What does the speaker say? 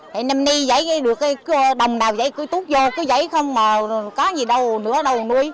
thì nêm ni giấy được cái đồng nào giấy cứ tút vô cứ giấy không mà có gì đâu nữa đâu nuôi